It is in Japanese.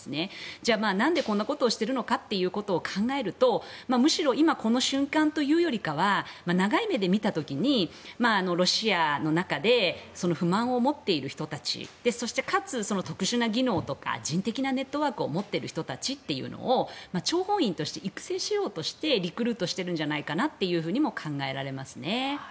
じゃあ、なんでこんなことをしてるのかってことを考えるとむしろ今、この瞬間というよりかは長い目で見た時にロシアの中で不満を持っている人たちそして、かつ特殊な技能とか人的なネットワークを持ってる人たちというのを諜報員として育成しようとしてリクルートしようとしているんじゃないかとも考えられますね。